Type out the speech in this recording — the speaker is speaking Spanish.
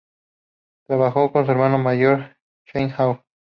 Trabajó con su hermano mayor Cheng Hao.